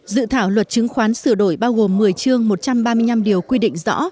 dự thảo luật chứng khoán sửa đổi bao gồm một mươi chương một trăm ba mươi năm điều quy định rõ